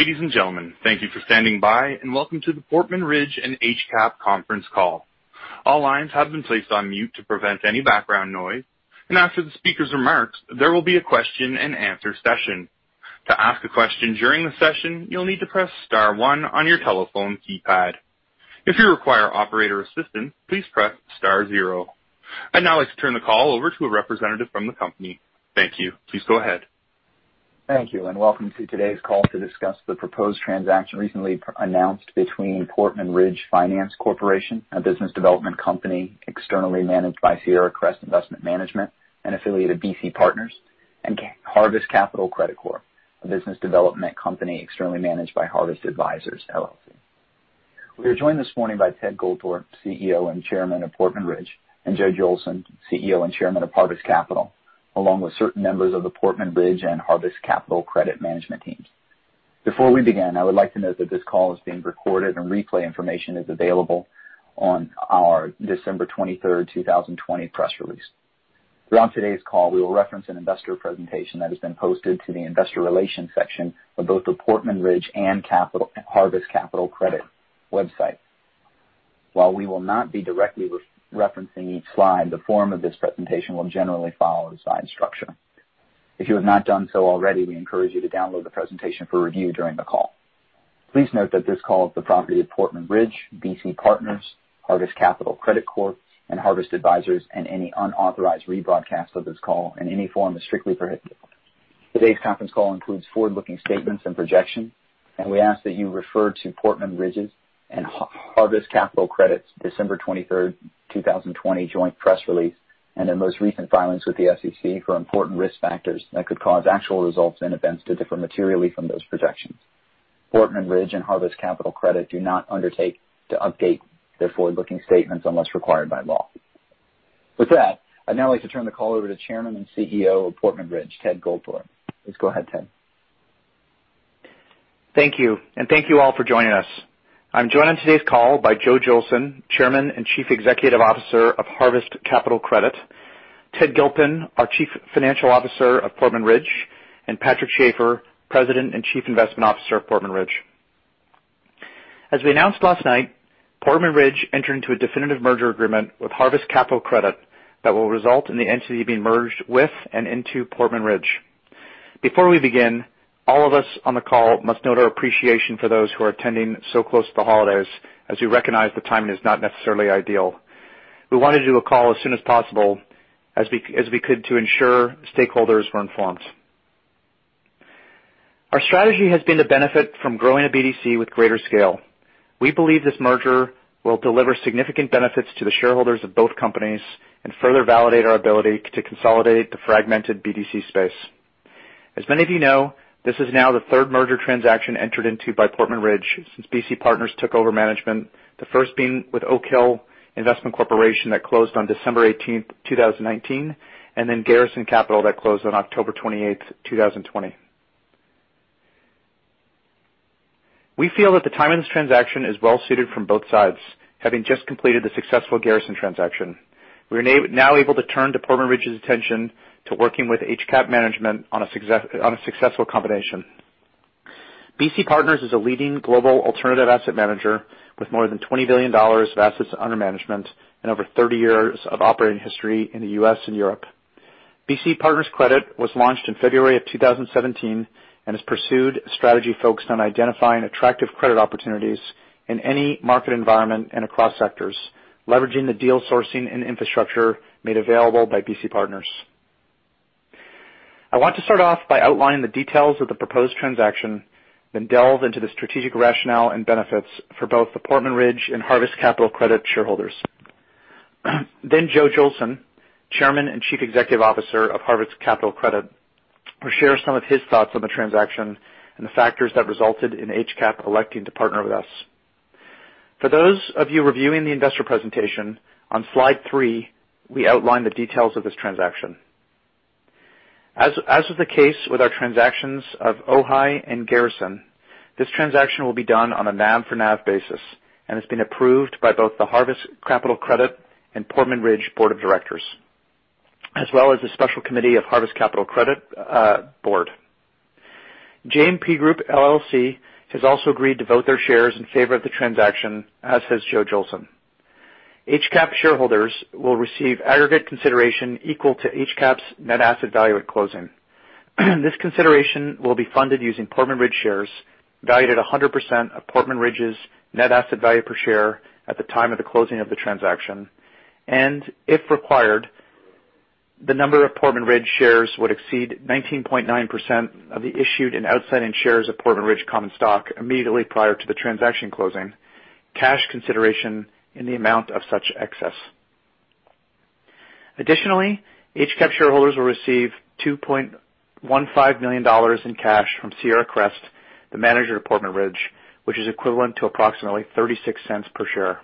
Ladies and gentlemen, thank you for standing by, and welcome to the Portman Ridge and HCAP Conference Call. All lines have been placed on mute to prevent any background noise, and after the speaker's remarks, there will be a question-and-answer session. To ask a question during the session, you'll need to press Star one on your telephone keypad. If you require operator assistance, please press Star zero. I'd now like to turn the call over to a representative from the company. Thank you. Please go ahead. Thank you, and welcome to today's call to discuss the proposed transaction recently announced between Portman Ridge Finance Corporation, a business development company externally managed by Sierra Crest Investment Management and affiliated BC Partners, and Harvest Capital Credit Corp, a business development company externally managed by Harvest Advisors. We are joined this morning by Ted Goldthorpe, CEO and Chairman of Portman Ridge, and Joe Jolson, CEO and Chairman of Harvest Capital, along with certain members of the Portman Ridge and Harvest Capital Credit Management teams. Before we begin, I would like to note that this call is being recorded, and replay information is available on our December 23rd, 2020, press release. Throughout today's call, we will reference an investor presentation that has been posted to the investor relations section of both the Portman Ridge and Harvest Capital Credit website. While we will not be directly referencing each slide, the form of this presentation will generally follow a slide structure. If you have not done so already, we encourage you to download the presentation for review during the call. Please note that this call is the property of Portman Ridge, BC Partners, Harvest Capital Credit Corp, and Harvest Advisors, and any unauthorized rebroadcast of this call in any form is strictly prohibited. Today's conference call includes forward-looking statements and projections, and we ask that you refer to Portman Ridge's and Harvest Capital Credit's December 23rd, 2020, joint press release and their most recent filings with the SEC for important risk factors that could cause actual results and events to differ materially from those projections. Portman Ridge and Harvest Capital Credit do not undertake to update their forward-looking statements unless required by law. With that, I'd now like to turn the call over to Chairman and CEO of Portman Ridge, Ted Goldthorpe. Please go ahead, Ted. Thank you, and thank you all for joining us. I'm joined on today's call by Joe Jolson, Chairman and Chief Executive Officer of Harvest Capital Credit; Ted Gilpin, our Chief Financial Officer of Portman Ridge; and Patrick Schaefer, President and Chief Investment Officer of Portman Ridge. As we announced last night, Portman Ridge entered into a definitive merger agreement with Harvest Capital Credit that will result in the entity being merged with and into Portman Ridge. Before we begin, all of us on the call must note our appreciation for those who are attending so close to the holidays, as we recognize the timing is not necessarily ideal. We wanted to do a call as soon as possible as we could to ensure stakeholders were informed. Our strategy has been to benefit from growing a BDC with greater scale. We believe this merger will deliver significant benefits to the shareholders of both companies and further validate our ability to consolidate the fragmented BDC space. As many of you know, this is now the third merger transaction entered into by Portman Ridge since BC Partners took over management, the first being with Oak Hill Investment Corporation that closed on December 18th, 2019, and then Garrison Capital that closed on October 28th, 2020. We feel that the timing of this transaction is well-suited from both sides, having just completed the successful Garrison transaction. We are now able to turn to Portman Ridge's attention to working with HCAP management on a successful combination. BC Partners is a leading global alternative asset manager with more than $20 billion of assets under management and over 30 years of operating history in the U.S. and Europe. BC Partners Credit was launched in February of 2017 and has pursued a strategy focused on identifying attractive credit opportunities in any market environment and across sectors, leveraging the deal sourcing and infrastructure made available by BC Partners. I want to start off by outlining the details of the proposed transaction, then delve into the strategic rationale and benefits for both the Portman Ridge and Harvest Capital Credit shareholders. Then Joe Jolson, Chairman and Chief Executive Officer of Harvest Capital Credit, will share some of his thoughts on the transaction and the factors that resulted in HCAP electing to partner with us. For those of you reviewing the investor presentation, on slide three, we outline the details of this transaction. As was the case with our transactions of OHAI and Garrison, this transaction will be done on a NAV-for-NAV basis and has been approved by both the Harvest Capital Credit and Portman Ridge Board of Directors, as well as the Special Committee of Harvest Capital Credit Board. JMP Group LLC has also agreed to vote their shares in favor of the transaction, as has Joe Jolson. HCAP shareholders will receive aggregate consideration equal to HCAP's net asset value at closing. This consideration will be funded using Portman Ridge shares valued at 100% of Portman Ridge's net asset value per share at the time of the closing of the transaction, and if required, the number of Portman Ridge shares would exceed 19.9% of the issued and outstanding shares of Portman Ridge Common Stock immediately prior to the transaction closing, cash consideration in the amount of such excess. Additionally, HCAP shareholders will receive $2.15 million in cash from Sierra Crest, the manager of Portman Ridge, which is equivalent to approximately $0.36 per share.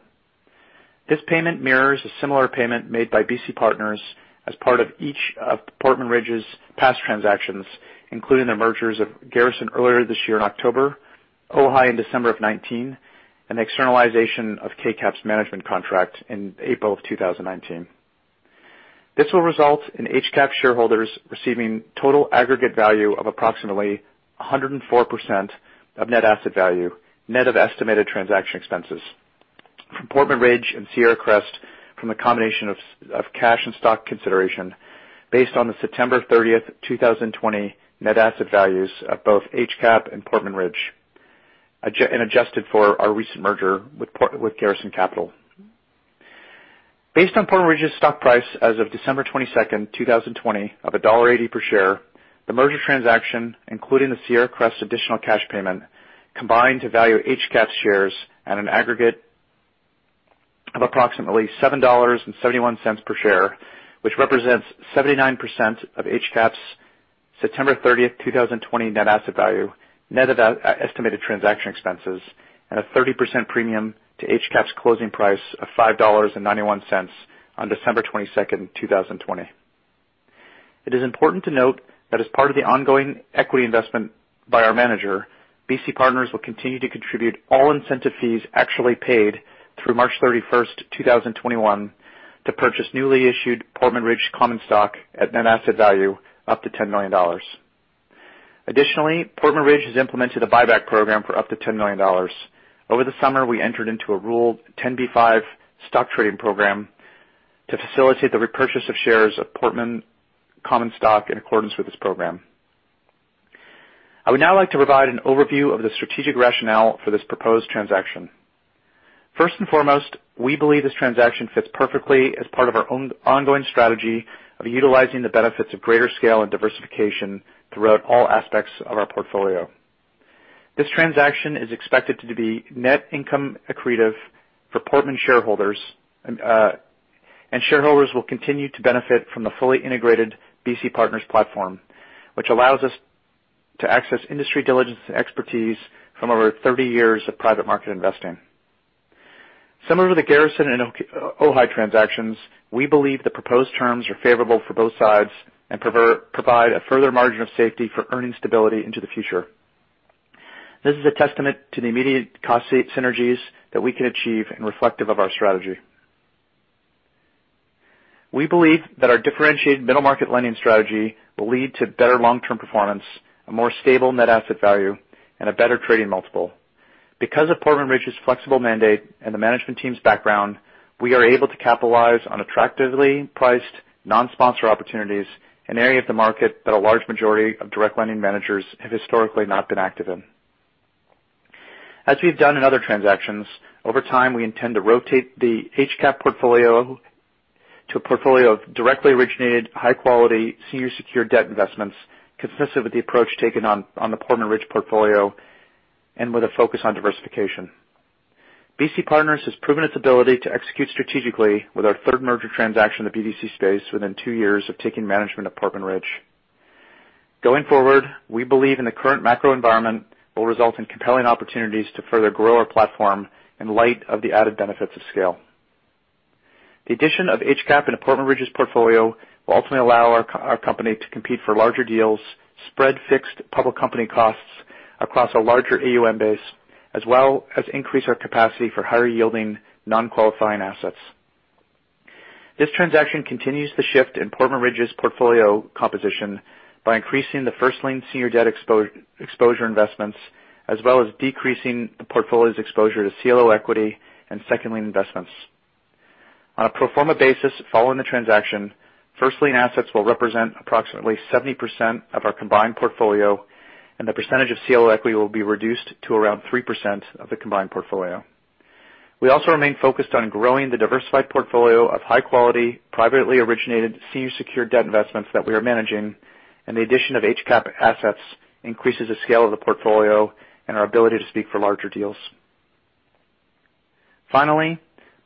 This payment mirrors a similar payment made by BC Partners as part of each of Portman Ridge's past transactions, including the mergers of Garrison earlier this year in October, OHAI in December of 2019, and the externalization of KCAP's management contract in April of 2019. This will result in HCAP shareholders receiving total aggregate value of approximately 104% of net asset value, net of estimated transaction expenses, from Portman Ridge and Sierra Crest from the combination of cash and stock consideration based on the September 30th, 2020, net asset values of both HCAP and Portman Ridge, and adjusted for our recent merger with Garrison Capital. Based on Portman Ridge's stock price as of December 22nd, 2020, of $1.80 per share, the merger transaction, including the Sierra Crest additional cash payment, combined to value HCAP's shares at an aggregate of approximately $7.71 per share, which represents 79% of HCAP's September 30th, 2020, net asset value, net of estimated transaction expenses, and a 30% premium to HCAP's closing price of $5.91 on December 22nd, 2020. It is important to note that as part of the ongoing equity investment by our manager, BC Partners will continue to contribute all incentive fees actually paid through March 31st, 2021, to purchase newly issued Portman Ridge Common Stock at net asset value up to $10 million. Additionally, Portman Ridge has implemented a buyback program for up to $10 million. Over the summer, we entered into a Rule 10b-5 stock trading program to facilitate the repurchase of shares of Portman Common Stock in accordance with this program. I would now like to provide an overview of the strategic rationale for this proposed transaction. First and foremost, we believe this transaction fits perfectly as part of our ongoing strategy of utilizing the benefits of greater scale and diversification throughout all aspects of our portfolio. This transaction is expected to be net income accretive for Portman shareholders, and shareholders will continue to benefit from the fully integrated BC Partners platform, which allows us to access industry diligence and expertise from over 30 years of private market investing. Similar to the Garrison and OHAI transactions, we believe the proposed terms are favorable for both sides and provide a further margin of safety for earning stability into the future. This is a testament to the immediate cost synergies that we can achieve and reflective of our strategy. We believe that our differentiated middle market lending strategy will lead to better long-term performance, a more stable net asset value, and a better trading multiple. Because of Portman Ridge's flexible mandate and the management team's background, we are able to capitalize on attractively priced non-sponsor opportunities, an area of the market that a large majority of direct lending managers have historically not been active in. As we've done in other transactions, over time, we intend to rotate the HCAP portfolio to a portfolio of directly originated, high-quality, senior secured debt investments consistent with the approach taken on the Portman Ridge portfolio and with a focus on diversification. BC Partners has proven its ability to execute strategically with our third merger transaction in the BDC space within two years of taking management of Portman Ridge. Going forward, we believe in the current macro environment will result in compelling opportunities to further grow our platform in light of the added benefits of scale. The addition of HCAP into Portman Ridge's portfolio will ultimately allow our company to compete for larger deals, spread fixed public company costs across a larger AUM base, as well as increase our capacity for higher-yielding, non-qualifying assets. This transaction continues the shift in Portman Ridge's portfolio composition by increasing the first-lien senior debt exposure investments, as well as decreasing the portfolio's exposure to CLO equity and second-lien investments. On a pro forma basis, following the transaction, first-lien assets will represent approximately 70% of our combined portfolio, and the percentage of CLO equity will be reduced to around 3% of the combined portfolio. We also remain focused on growing the diversified portfolio of high-quality, privately originated, senior secured debt investments that we are managing, and the addition of HCAP assets increases the scale of the portfolio and our ability to speak for larger deals. Finally,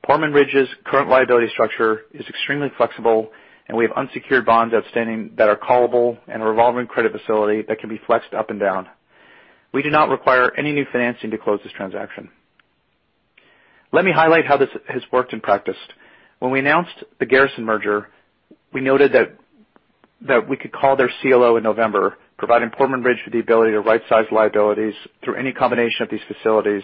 Portman Ridge's current liability structure is extremely flexible, and we have unsecured bonds outstanding that are callable and a revolving credit facility that can be flexed up and down. We do not require any new financing to close this transaction. Let me highlight how this has worked in practice. When we announced the Garrison merger, we noted that we could call their CLO in November, providing Portman Ridge with the ability to rightsize liabilities through any combination of these facilities,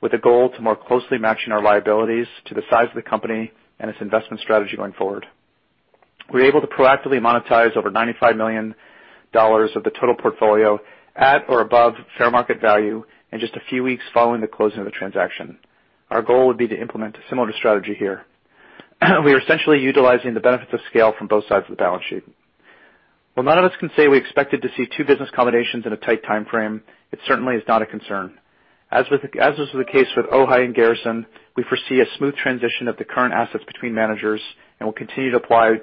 with a goal to more closely matching our liabilities to the size of the company and its investment strategy going forward. We were able to proactively monetize over $95 million of the total portfolio at or above fair market value in just a few weeks following the closing of the transaction. Our goal would be to implement a similar strategy here. We are essentially utilizing the benefits of scale from both sides of the balance sheet. While none of us can say we expected to see two business combinations in a tight timeframe, it certainly is not a concern. As was the case with OHAI and Garrison, we foresee a smooth transition of the current assets between managers and will continue to apply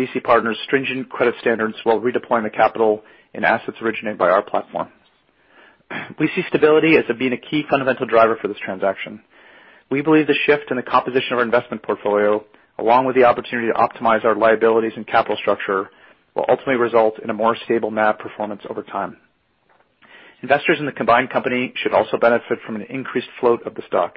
BC Partners' stringent credit standards while redeploying the capital and assets originated by our platform. We see stability as being a key fundamental driver for this transaction. We believe the shift in the composition of our investment portfolio, along with the opportunity to optimize our liabilities and capital structure, will ultimately result in a more stable NAV performance over time. Investors in the combined company should also benefit from an increased float of the stock.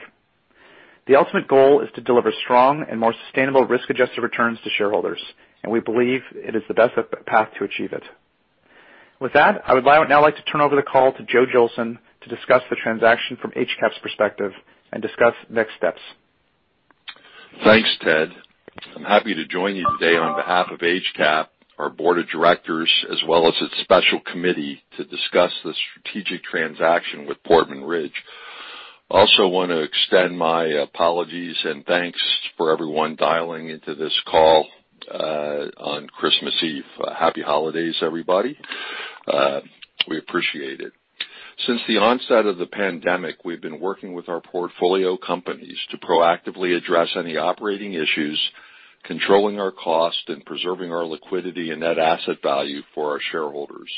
The ultimate goal is to deliver strong and more sustainable risk-adjusted returns to shareholders, and we believe it is the best path to achieve it. With that, I would now like to turn over the call to Joe Jolson to discuss the transaction from HCAP's perspective and discuss next steps. Thanks, Ted. I'm happy to join you today on behalf of HCAP, our Board of Directors, as well as its Special Committee, to discuss the strategic transaction with Portman Ridge. I also want to extend my apologies and thanks for everyone dialing into this call on Christmas Eve. Happy holidays, everybody. We appreciate it. Since the onset of the pandemic, we've been working with our portfolio companies to proactively address any operating issues, controlling our cost, and preserving our liquidity and net asset value for our shareholders.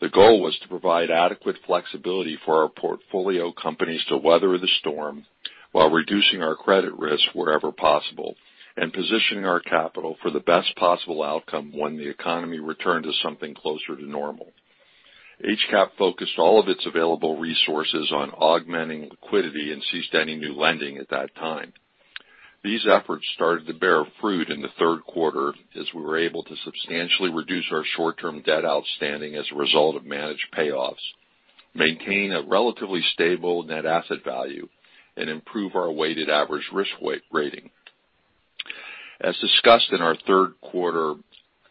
The goal was to provide adequate flexibility for our portfolio companies to weather the storm while reducing our credit risk wherever possible and positioning our capital for the best possible outcome when the economy returned to something closer to normal. HCAP focused all of its available resources on augmenting liquidity and ceased any new lending at that time. These efforts started to bear fruit in the third quarter as we were able to substantially reduce our short-term debt outstanding as a result of managed payoffs, maintain a relatively stable net asset value, and improve our weighted average risk rating. As discussed in our third quarter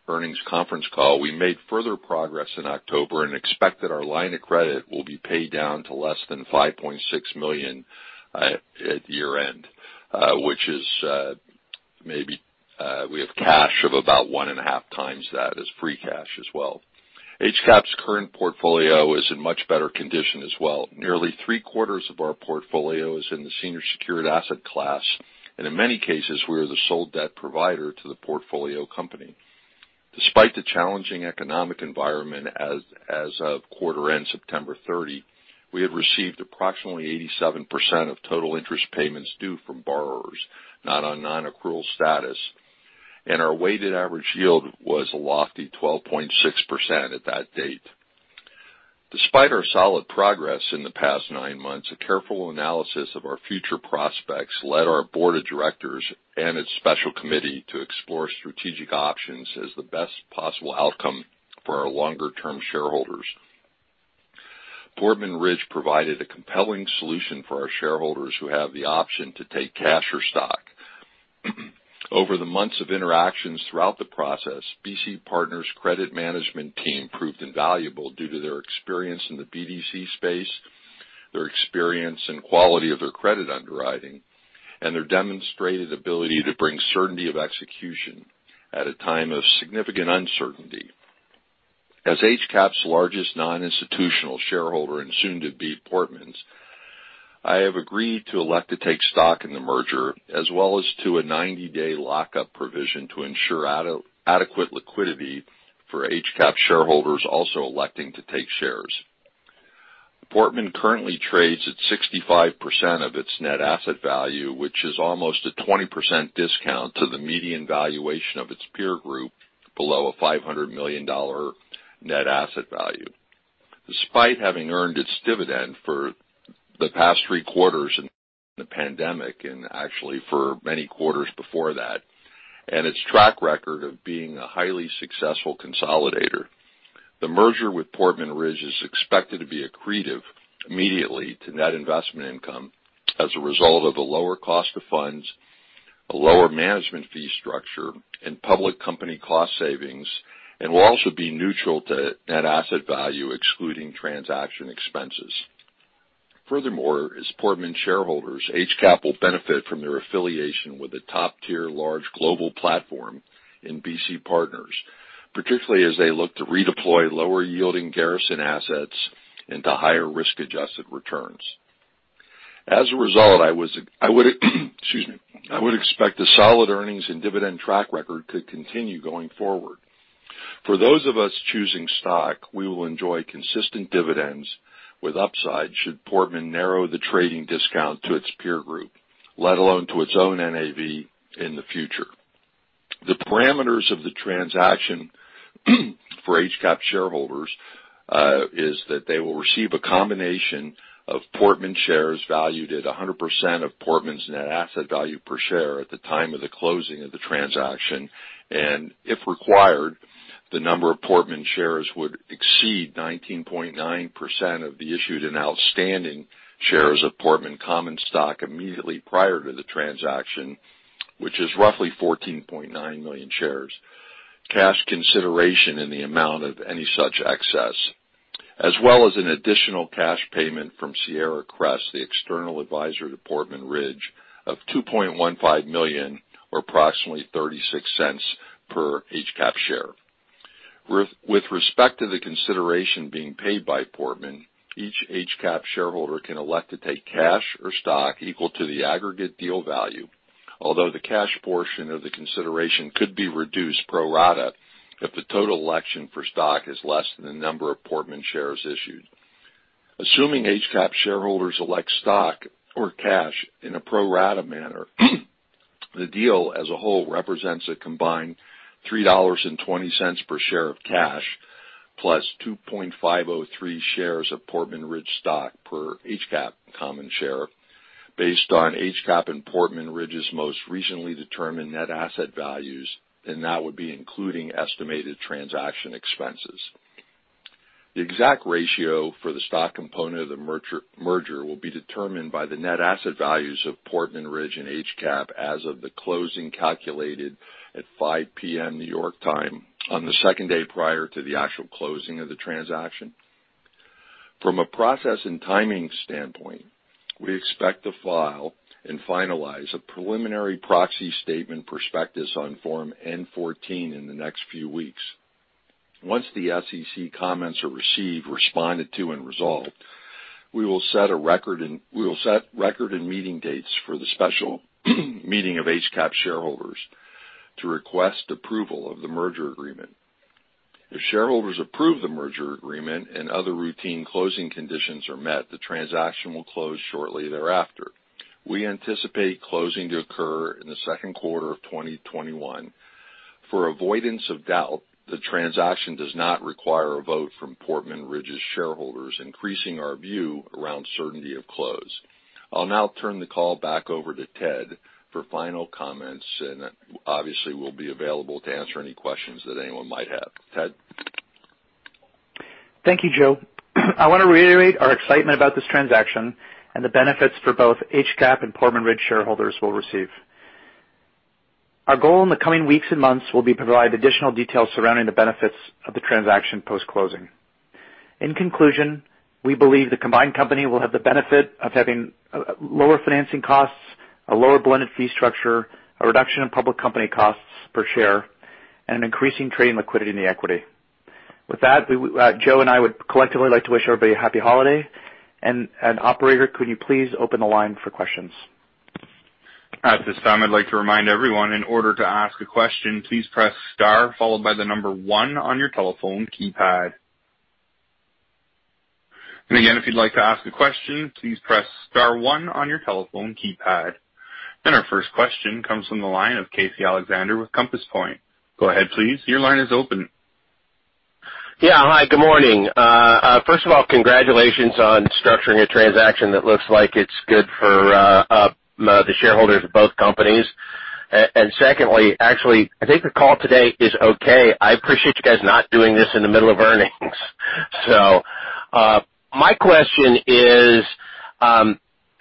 earnings conference call, we made further progress in October and expect that our line of credit will be paid down to less than $5.6 million at year-end, which is maybe we have cash of about one and a half times that as free cash as well. HCAP's current portfolio is in much better condition as well. Nearly three-quarters of our portfolio is in the senior secured asset class, and in many cases, we are the sole debt provider to the portfolio company. Despite the challenging economic environment as of quarter-end September 30, we had received approximately 87% of total interest payments due from borrowers, not on non-accrual status, and our weighted average yield was a lofty 12.6% at that date. Despite our solid progress in the past nine months, a careful analysis of our future prospects led our Board of Directors and its Special Committee to explore strategic options as the best possible outcome for our longer-term shareholders. Portman Ridge provided a compelling solution for our shareholders who have the option to take cash or stock. Over the months of interactions throughout the process, BC Partners' credit management team proved invaluable due to their experience in the BDC space, their experience and quality of their credit underwriting, and their demonstrated ability to bring certainty of execution at a time of significant uncertainty. As HCAP's largest non-institutional shareholder and soon-to-be Portman's, I have agreed to elect to take stock in the merger, as well as to a 90-day lockup provision to ensure adequate liquidity for HCAP shareholders also electing to take shares. Portman currently trades at 65% of its net asset value, which is almost a 20% discount to the median valuation of its peer group below a $500 million net asset value. Despite having earned its dividend for the past three quarters in the pandemic and actually for many quarters before that, and its track record of being a highly successful consolidator, the merger with Portman Ridge is expected to be accretive immediately to net investment income as a result of a lower cost of funds, a lower management fee structure, and public company cost savings, and will also be neutral to net asset value, excluding transaction expenses. Furthermore, as Portman shareholders, HCAP will benefit from their affiliation with a top-tier large global platform in BC Partners, particularly as they look to redeploy lower-yielding Garrison assets into higher risk-adjusted returns. As a result, I would expect a solid earnings and dividend track record to continue going forward. For those of us choosing stock, we will enjoy consistent dividends with upside should Portman narrow the trading discount to its peer group, let alone to its own NAV in the future. The parameters of the transaction for HCAP shareholders is that they will receive a combination of Portman shares valued at 100% of Portman's net asset value per share at the time of the closing of the transaction, and if required, the number of Portman shares would exceed 19.9% of the issued and outstanding shares of Portman Common Stock immediately prior to the transaction, which is roughly 14.9 million shares. Cash consideration in the amount of any such excess, as well as an additional cash payment from Sierra Crest, the external advisor to Portman Ridge, of $2.15 million, or approximately $0.36 per HCAP share. With respect to the consideration being paid by Portman, each HCAP shareholder can elect to take cash or stock equal to the aggregate deal value, although the cash portion of the consideration could be reduced pro rata if the total election for stock is less than the number of Portman shares issued. Assuming HCAP shareholders elect stock or cash in a pro rata manner, the deal as a whole represents a combined $3.20 per share of cash plus 2.503 shares of Portman Ridge stock per HCAP common share, based on HCAP and Portman Ridge's most recently determined net asset values, and that would be including estimated transaction expenses. The exact ratio for the stock component of the merger will be determined by the net asset values of Portman Ridge and HCAP as of the closing calculated at 5:00 P.M. New York time on the second day prior to the actual closing of the transaction. From a process and timing standpoint, we expect to file and finalize a preliminary proxy statement prospectus on Form N-14 in the next few weeks. Once the SEC comments are received, responded to, and resolved, we will set a record date and meeting dates for the special meeting of HCAP shareholders to request approval of the merger agreement. If shareholders approve the merger agreement and other routine closing conditions are met, the transaction will close shortly thereafter. We anticipate closing to occur in the second quarter of 2021. For avoidance of doubt, the transaction does not require a vote from Portman Ridge's shareholders, increasing our view around certainty of close. I'll now turn the call back over to Ted for final comments, and obviously, we'll be available to answer any questions that anyone might have. Ted? Thank you, Joe. I want to reiterate our excitement about this transaction and the benefits for both HCAP and Portman Ridge shareholders will receive. Our goal in the coming weeks and months will be to provide additional details surrounding the benefits of the transaction post-closing. In conclusion, we believe the combined company will have the benefit of having lower financing costs, a lower blended fee structure, a reduction in public company costs per share, and an increasing trading liquidity in the equity. With that, Joe and I would collectively like to wish everybody a happy holiday. And Operator, could you please open the line for questions? At this time, I'd like to remind everyone, in order to ask a question, please press star followed by the number one on your telephone keypad. And again, if you'd like to ask a question, please press star one on your telephone keypad. And our first question comes from the line of Casey Alexander with Compass Point. Go ahead, please. Your line is open. Yeah. Hi. Good morning. First of all, congratulations on structuring a transaction that looks like it's good for the shareholders of both companies. And secondly, actually, I think the call today is okay. I appreciate you guys not doing this in the middle of earnings. So my question is,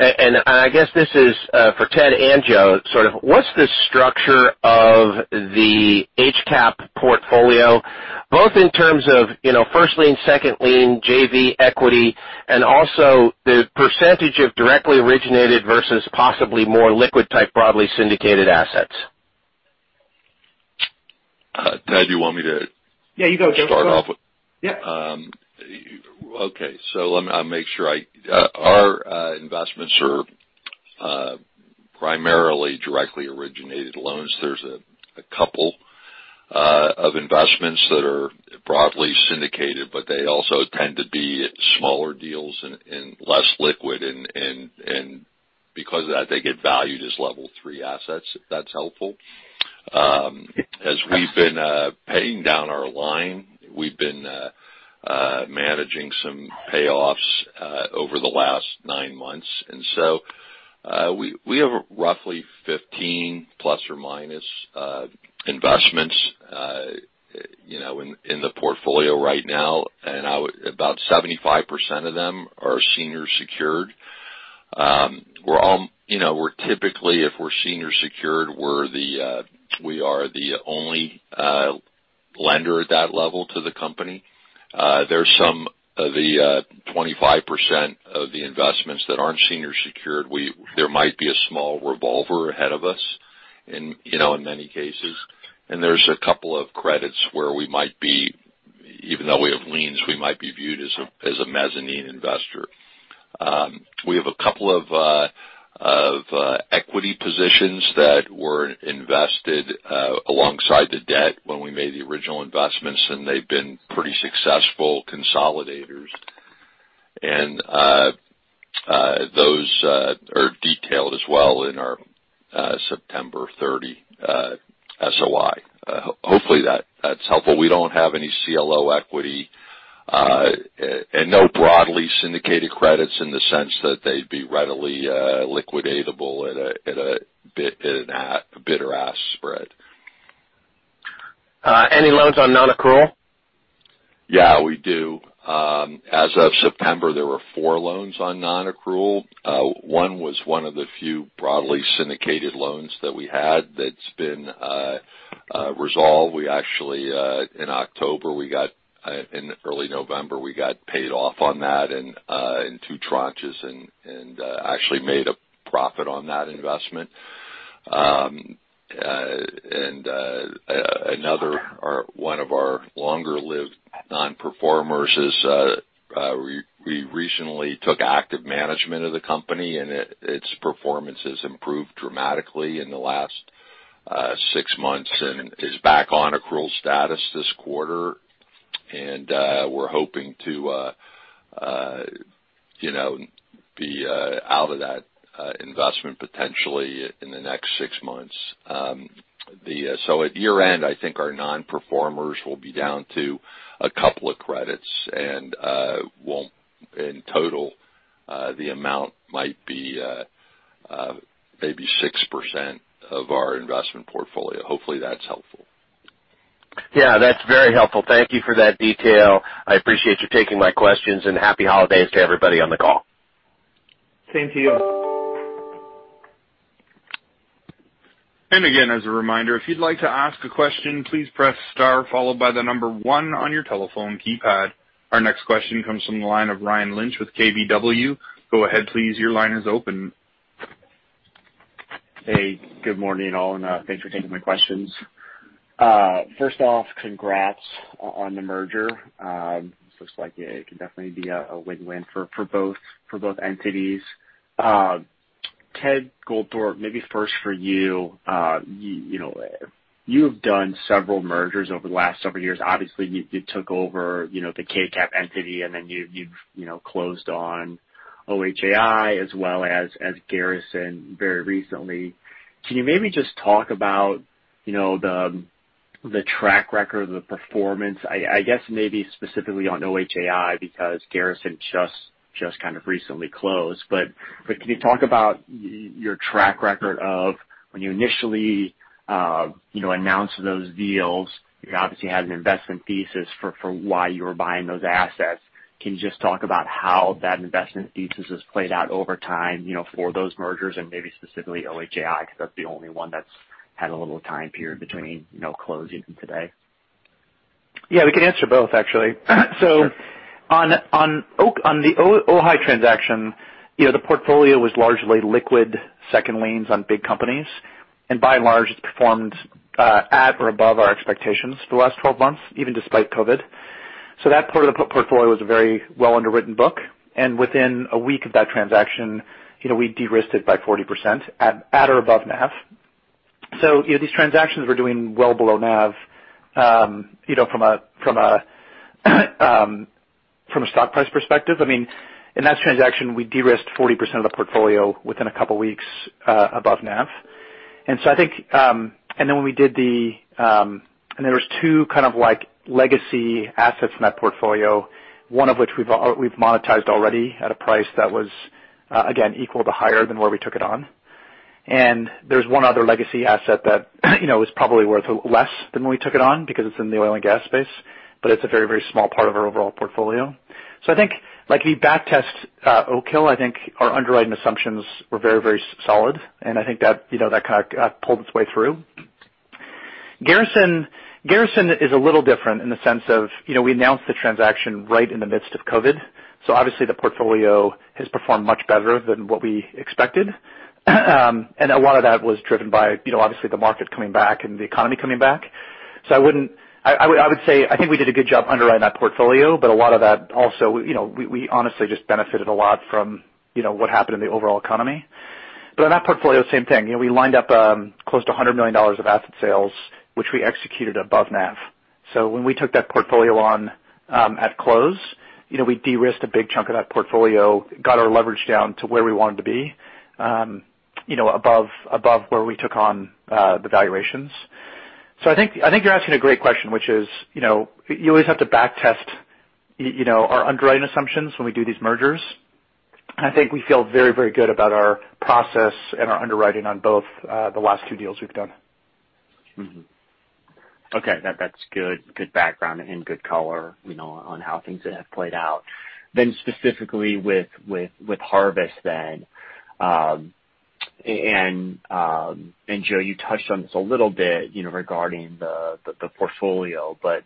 and I guess this is for Ted and Joe, sort of what's the structure of the HCAP portfolio, both in terms of first-lien, second-lien, JV, equity, and also the percentage of directly originated versus possibly more liquid-type broadly syndicated assets? Ted, do you want me to? Yeah. You go, Joe. Start off with? Yeah. Okay, so let me make sure our investments are primarily directly originated loans. There's a couple of investments that are broadly syndicated, but they also tend to be smaller deals and less liquid. And because of that, they get valued as Level 3 assets, if that's helpful. As we've been paying down our line, we've been managing some payoffs over the last nine months. And so we have roughly 15 plus or minus investments in the portfolio right now, and about 75% of them are senior secured. We're typically, if we're senior secured, we are the only lender at that level to the company. There's some of the 25% of the investments that aren't senior secured, there might be a small revolver ahead of us in many cases. And there's a couple of credits where we might be, even though we have liens, we might be viewed as a mezzanine investor. We have a couple of equity positions that were invested alongside the debt when we made the original investments, and they've been pretty successful consolidators. And those are detailed as well in our September 30 SOI. Hopefully, that's helpful. We don't have any CLO equity and no broadly syndicated credits in the sense that they'd be readily liquidatable at a bid-ask spread. Any loans on non-accrual? Yeah. We do. As of September, there were four loans on non-accrual. One was one of the few broadly syndicated loans that we had that's been resolved. We actually, in October, we got in early November, we got paid off on that in two tranches and actually made a profit on that investment. And another one of our longer-lived non-performers is we recently took active management of the company, and its performance has improved dramatically in the last six months and is back on accrual status this quarter. And we're hoping to be out of that investment potentially in the next six months. So at year-end, I think our non-performers will be down to a couple of credits, and in total, the amount might be maybe 6% of our investment portfolio. Hopefully, that's helpful. Yeah. That's very helpful. Thank you for that detail. I appreciate you taking my questions, and happy holidays to everybody on the call. Same to you. And again, as a reminder, if you'd like to ask a question, please press star followed by the number one on your telephone keypad. Our next question comes from the line of Ryan Lynch with KBW. Go ahead, please. Your line is open. Hey. Good morning, all, and thanks for taking my questions. First off, congrats on the merger. This looks like it can definitely be a win-win for both entities. Ted Goldthorpe, maybe first for you. You have done several mergers over the last several years. Obviously, you took over the KCAP entity, and then you've closed on OHAI as well as Garrison very recently. Can you maybe just talk about the track record, the performance? I guess maybe specifically on OHAI because Garrison just kind of recently closed. But can you talk about your track record of when you initially announced those deals? You obviously had an investment thesis for why you were buying those assets. Can you just talk about how that investment thesis has played out over time for those mergers and maybe specifically OHAI because that's the only one that's had a little time period between closing and today? Yeah. We can answer both, actually. So on the OHAI transaction, the portfolio was largely liquid second-liens on big companies. And by and large, it's performed at or above our expectations for the last 12 months, even despite COVID. So that part of the portfolio was a very well-underwritten book. And within a week of that transaction, we de-risked it by 40% at or above NAV. So these transactions were doing well below NAV from a stock price perspective. I mean, in that transaction, we de-risked 40% of the portfolio within a couple of weeks above NAV. And so I think, and then when we did the, and there were two kind of legacy assets in that portfolio, one of which we've monetized already at a price that was, again, equal to higher than where we took it on. And there's one other legacy asset that was probably worth less than when we took it on because it's in the oil and gas space, but it's a very, very small part of our overall portfolio. So I think if you backtest Oak Hill, I think our underwriting assumptions were very, very solid, and I think that kind of pulled its way through. Garrison is a little different in the sense of we announced the transaction right in the midst of COVID. So obviously, the portfolio has performed much better than what we expected. And a lot of that was driven by, obviously, the market coming back and the economy coming back. So I would say I think we did a good job underwriting that portfolio, but a lot of that also, we honestly just benefited a lot from what happened in the overall economy. But on that portfolio, same thing. We lined up close to $100 million of asset sales, which we executed above NAV. So when we took that portfolio on at close, we de-risked a big chunk of that portfolio, got our leverage down to where we wanted to be above where we took on the valuations. So I think you're asking a great question, which is you always have to backtest our underwriting assumptions when we do these mergers. I think we feel very, very good about our process and our underwriting on both the last two deals we've done. Okay. That's good background and good color on how things have played out. Then specifically with Harvest then, and Joe, you touched on this a little bit regarding the portfolio, but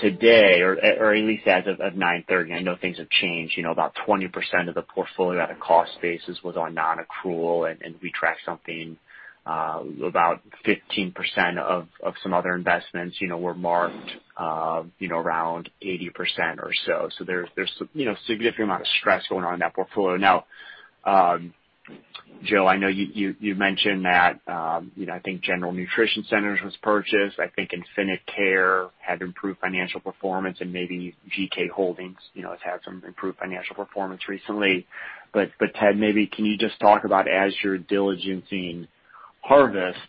today, or at least as of 9:30 A.M., I know things have changed. About 20% of the portfolio at a cost basis was on non-accrual, and we tracked something about 15% of some other investments were marked around 80% or so. So there's a significant amount of stress going on in that portfolio. Now, Joe, I know you mentioned that I think General Nutrition Centers was purchased. I think Infinite Care had improved financial performance, and maybe GK Holdings has had some improved financial performance recently. But Ted, maybe can you just talk about, as you're diligencing Harvest,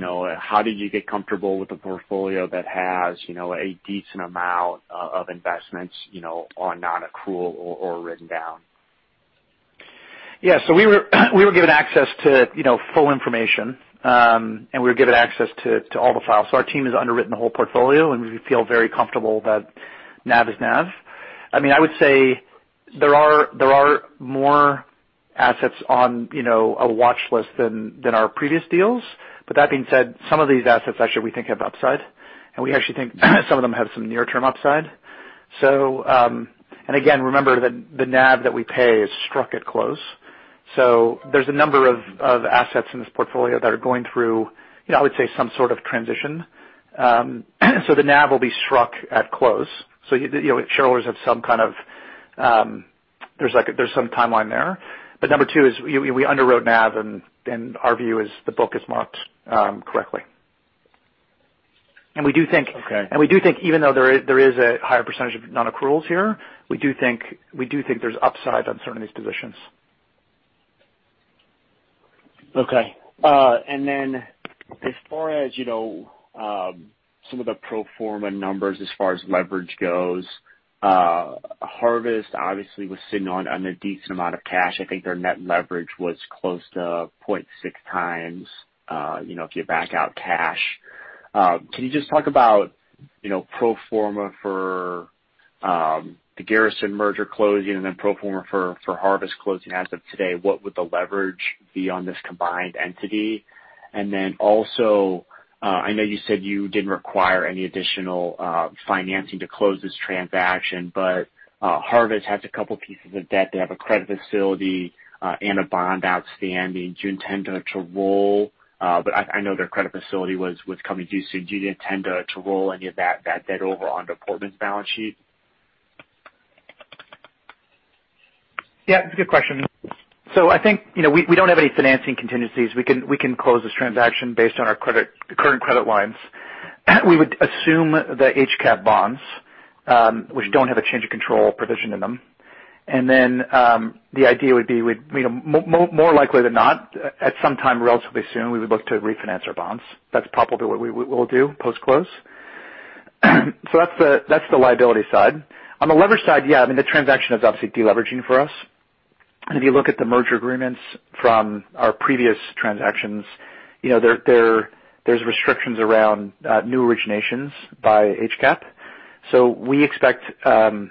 how did you get comfortable with a portfolio that has a decent amount of investments on non-accrual or written down? Yeah. So we were given access to full information, and we were given access to all the files. So our team has underwritten the whole portfolio, and we feel very comfortable that NAV is NAV. I mean, I would say there are more assets on a watch list than our previous deals. But that being said, some of these assets actually we think have upside, and we actually think some of them have some near-term upside, and again, remember that the NAV that we pay is struck at close, so there's a number of assets in this portfolio that are going through, I would say, some sort of transition, so the NAV will be struck at close, so shareholders have some kind of, there's some timeline there, but number two is we underwrote NAV, and our view is the book is marked correctly, and we do think, and we do think even though there is a higher percentage of non-accruals here, we do think there's upside on certain of these positions. Okay. And then as far as some of the pro forma numbers as far as leverage goes, Harvest obviously was sitting on a decent amount of cash. I think their net leverage was close to 0.6 times if you back out cash. Can you just talk about pro forma for the Garrison merger closing and then pro forma for Harvest closing as of today? What would the leverage be on this combined entity? And then also, I know you said you didn't require any additional financing to close this transaction, but Harvest has a couple of pieces of debt. They have a credit facility and a bond outstanding. Do you intend to roll? But I know their credit facility was coming due soon. Do you intend to roll any of that debt over on the Portman's balance sheet? Yeah. That's a good question. So I think we don't have any financing contingencies. We can close this transaction based on our current credit lines. We would assume the HCAP bonds, which don't have a change of control provision in them. And then the idea would be more likely than not, at some time relatively soon, we would look to refinance our bonds. That's probably what we will do post-close. So that's the liability side. On the leverage side, yeah, I mean, the transaction is obviously deleveraging for us. And if you look at the merger agreements from our previous transactions, there's restrictions around new originations by HCAP. So we expect the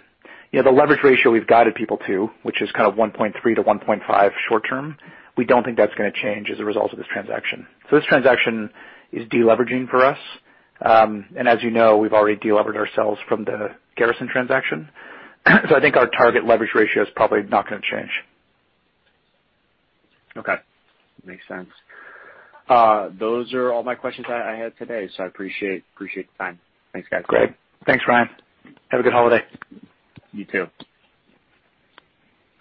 leverage ratio we've guided people to, which is kind of 1.3-1.5 short-term, we don't think that's going to change as a result of this transaction. So this transaction is deleveraging for us. And as you know, we've already deleveraged ourselves from the Garrison transaction. So I think our target leverage ratio is probably not going to change. Okay. Makes sense. Those are all my questions I had today. So I appreciate the time. Thanks, guys. Great. Thanks, Ryan. Have a good holiday. You too.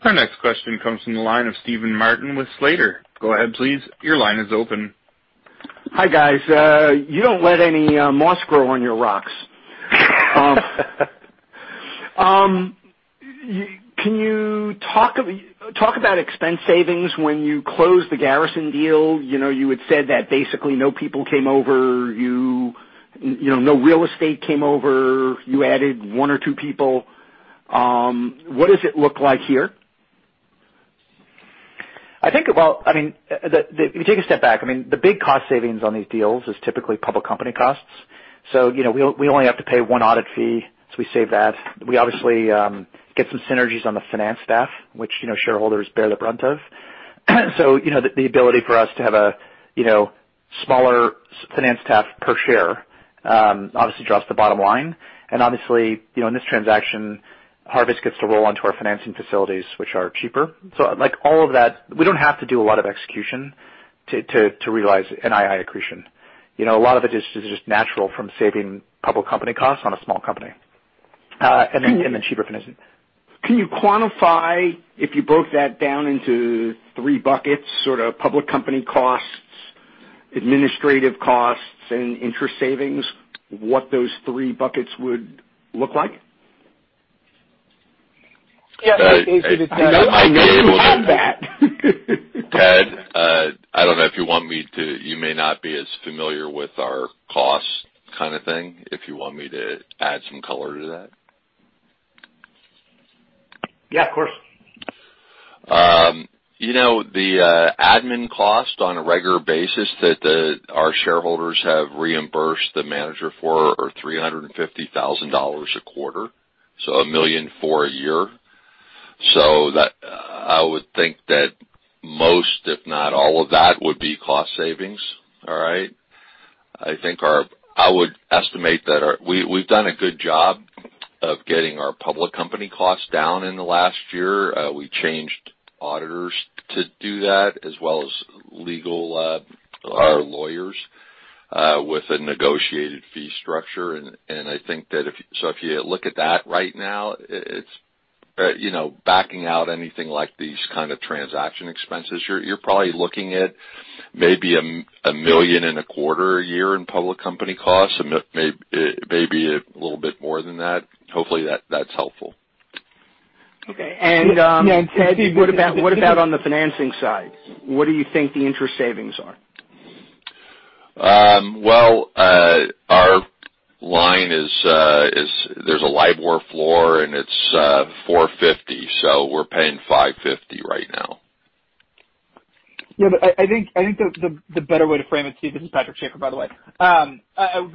Our next question comes from the line of Steven Martin with Slater. Go ahead, please. Your line is open. Hi guys. You don't let any moss grow on your rocks. Can you talk about expense savings when you closed the Garrison deal? You had said that basically no people came over, no real estate came over. You added one or two people. What does it look like here? I think, well, I mean, if you take a step back, I mean, the big cost savings on these deals is typically public company costs. So we only have to pay one audit fee, so we save that. We obviously get some synergies on the finance staff, which shareholders bear the brunt of. So the ability for us to have a smaller finance staff per share obviously drops the bottom line. And obviously, in this transaction, Harvest gets to roll onto our financing facilities, which are cheaper. So all of that, we don't have to do a lot of execution to realize an immediate accretion. A lot of it is just natural from saving public company costs on a small company and then cheaper financing. Can you quantify, if you broke that down into three buckets, sort of public company costs, administrative costs, and interest savings, what those three buckets would look like? Yeah. I know you have that. Ted, I don't know if you want me to. You may not be as familiar with our cost kind of thing. If you want me to add some color to that. Yeah, of course. The admin cost on a regular basis that our shareholders have reimbursed the manager for are $350,000 a quarter, so $1 million for a year. So I would think that most, if not all of that, would be cost savings, all right? I would estimate that we've done a good job of getting our public company costs down in the last year. We changed auditors to do that as well as legal lawyers with a negotiated fee structure. And I think that if you look at that right now, it's backing out anything like these kind of transaction expenses. You're probably looking at maybe $1.25 million a year in public company costs, maybe a little bit more than that. Hopefully, that's helpful. Okay. And what about on the financing side? What do you think the interest savings are? Our line is there's a LIBOR floor, and it's 450. So we're paying 550 right now. Yeah. But I think the better way to frame it. See, this is Patrick Schaefer, by the way.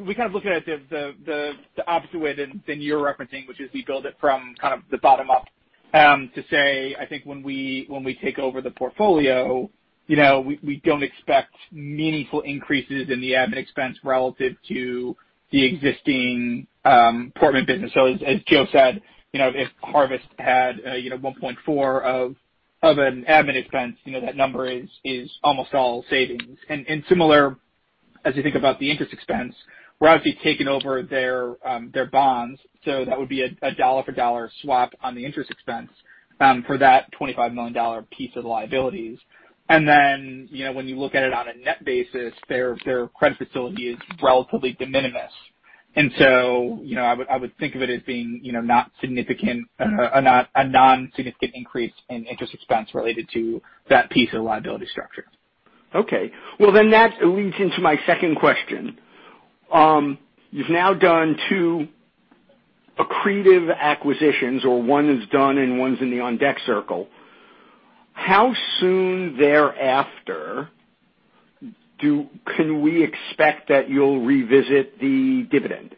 We kind of look at it the opposite way than you're referencing, which is we build it from kind of the bottom up to say, I think when we take over the portfolio, we don't expect meaningful increases in the admin expense relative to the existing Portman business. So as Joe said, if Harvest had 1.4 of an admin expense, that number is almost all savings. And similar, as you think about the interest expense, we're obviously taking over their bonds. So that would be a dollar-for-dollar swap on the interest expense for that $25 million piece of liabilities. And then when you look at it on a net basis, their credit facility is relatively de minimis. I would think of it as being a non-significant increase in interest expense related to that piece of liability structure. Okay. Well, then that leads into my second question. You've now done two accretive acquisitions, or one is done and one's in the on-deck circle. How soon thereafter can we expect that you'll revisit the dividend?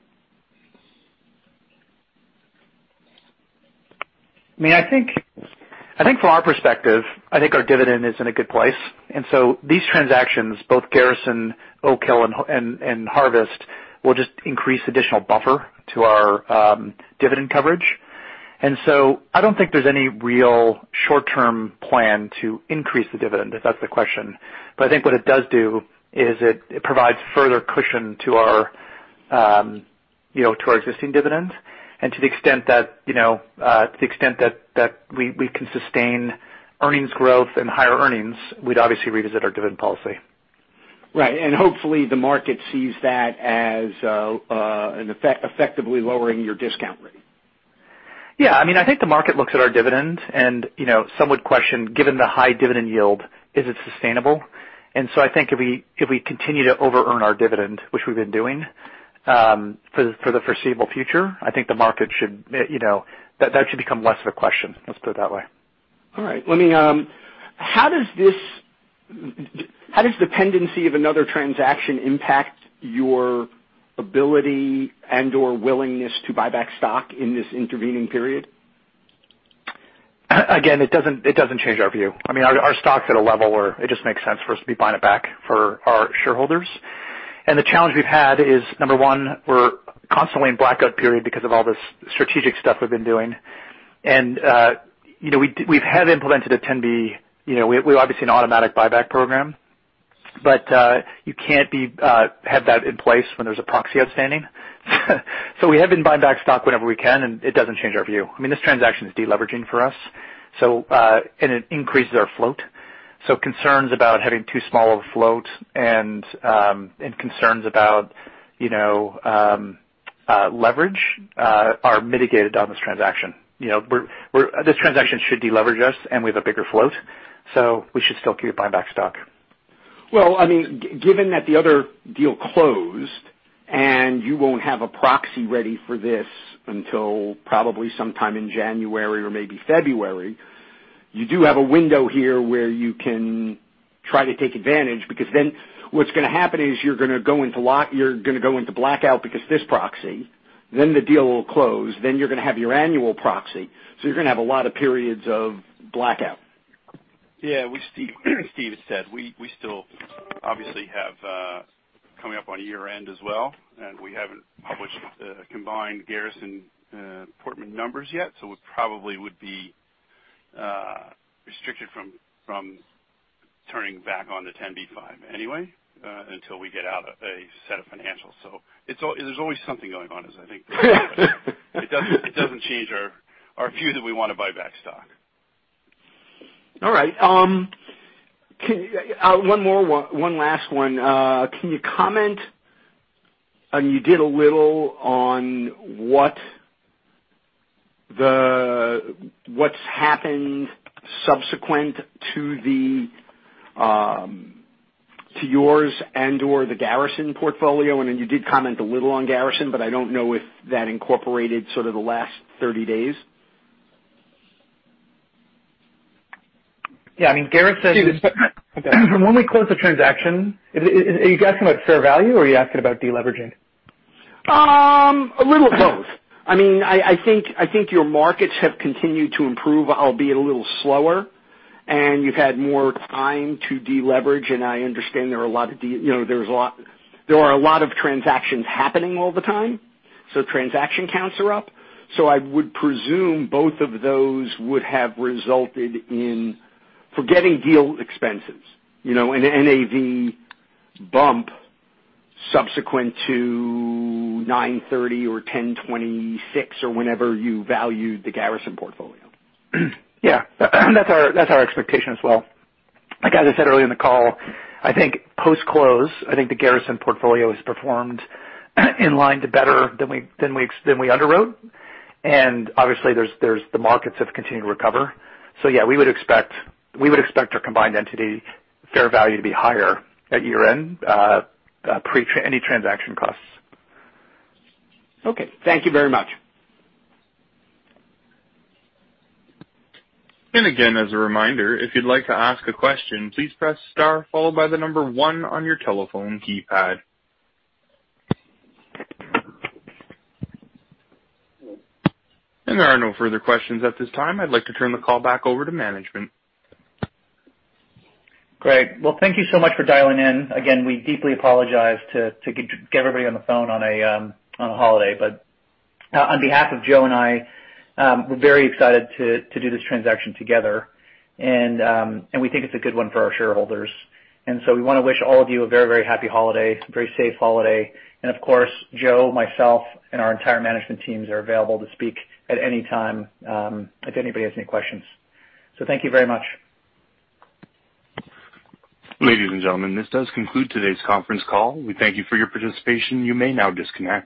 I mean, I think from our perspective, I think our dividend is in a good place. These transactions, both Garrison, Oak Hill, and Harvest, will just increase additional buffer to our dividend coverage. So I don't think there's any real short-term plan to increase the dividend, if that's the question. But I think what it does do is it provides further cushion to our existing dividend. To the extent that we can sustain earnings growth and higher earnings, we'd obviously revisit our dividend policy. Right, and hopefully, the market sees that as effectively lowering your discount rate. Yeah. I mean, I think the market looks at our dividend, and some would question, given the high dividend yield, is it sustainable? And so I think if we continue to over-earn our dividend, which we've been doing for the foreseeable future, I think the market should become less of a question. Let's put it that way. All right. How does the pendency of another transaction impact your ability and/or willingness to buy back stock in this intervening period? Again, it doesn't change our view. I mean, our stock's at a level where it just makes sense for us to be buying it back for our shareholders. The challenge we've had is, number one, we're constantly in blackout period because of all this strategic stuff we've been doing. We've had implemented a 10b5-1, obviously an automatic buyback program, but you can't have that in place when there's a proxy outstanding. So we have been buying back stock whenever we can, and it doesn't change our view. I mean, this transaction is deleveraging for us, and it increases our float. So concerns about having too small of a float and concerns about leverage are mitigated on this transaction. This transaction should deleverage us, and we have a bigger float. So we should still keep buying back stock. I mean, given that the other deal closed and you won't have a proxy ready for this until probably sometime in January or maybe February, you do have a window here where you can try to take advantage because then what's going to happen is you're going to go into blackout because of this proxy. Then the deal will close. Then you're going to have your annual proxy. So you're going to have a lot of periods of blackout. Yeah. Steven said we still obviously have coming up on year-end as well, and we haven't published combined Garrison Portman numbers yet. So we probably would be restricted from turning back on the 10b-5 anyway until we get out a set of financials. So there's always something going on, as I think. It doesn't change our view that we want to buy back stock. All right. One last one. Can you comment? And you did a little on what's happened subsequent to yours and/or the Garrison portfolio. And then you did comment a little on Garrison, but I don't know if that incorporated sort of the last 30 days. Yeah. I mean, Garrison. Steven, when we close the transaction, are you asking about fair value or are you asking about deleveraging? A little of both. I mean, I think your markets have continued to improve, albeit a little slower, and you've had more time to deleverage. And I understand there are a lot of transactions happening all the time. So transaction counts are up. So I would presume both of those would have resulted in, forgetting deal expenses, an NAV bump subsequent to 9/30 or 10/26 or whenever you valued the Garrison portfolio. Yeah. That's our expectation as well. Like I said earlier in the call, I think post-close, I think the Garrison portfolio has performed in line to better than we underwrote. And obviously, the markets have continued to recover. So yeah, we would expect our combined entity fair value to be higher at year-end, any transaction costs. Okay. Thank you very much. And again, as a reminder, if you'd like to ask a question, please press star followed by the number one on your telephone keypad. And there are no further questions at this time. I'd like to turn the call back over to management. Great. Well, thank you so much for dialing in. Again, we deeply apologize to get everybody on the phone on a holiday, but on behalf of Joe and I, we're very excited to do this transaction together, and we think it's a good one for our shareholders, and so we want to wish all of you a very, very happy holiday, a very safe holiday, and of course, Joe, myself, and our entire management teams are available to speak at any time if anybody has any questions, so thank you very much. Ladies and gentlemen, this does conclude today's conference call. We thank you for your participation. You may now disconnect.